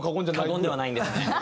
過言ではないんですね。